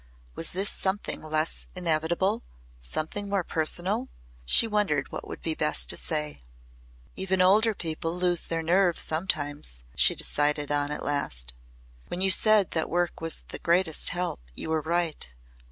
Was this something less inevitable something more personal? She wondered what would be best to say. "Even older people lose their nerve sometimes," she decided on at last. "When you said that work was the greatest help you were right.